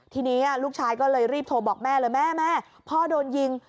ทีนี้ลูกชายก็เลยรีบโทรบอกแม่เลยแม่แม่พ่อโดนยิง